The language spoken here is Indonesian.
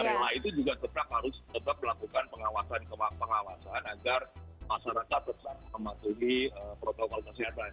skema itu juga tetap harus tetap melakukan pengawasan pengawasan agar masyarakat tetap mematuhi protokol kesehatan